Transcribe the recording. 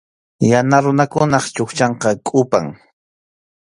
Yana runakunap chukchanqa kʼupam.